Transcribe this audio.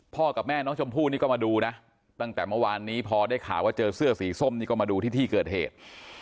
กับแม่น้องชมพู่นี่ก็มาดูนะตั้งแต่เมื่อวานนี้พอได้ข่าวว่าเจอเสื้อสีส้มนี่ก็มาดูที่ที่เกิดเหตุ